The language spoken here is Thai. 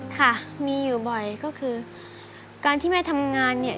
ค่ะมีอยู่บ่อยก็คือการที่แม่ทำงานเนี่ย